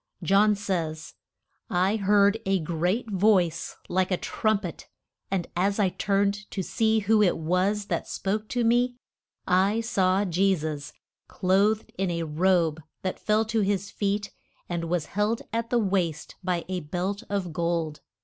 John says: I heard a great voice like a trum pet, and as I turned to see who it was that spoke to me, I saw Je sus clothed in a robe that fell to his feet, and was held at the waist by a belt of gold.